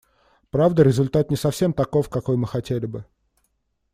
Правда, результат не совсем таков, какой мы хотели бы.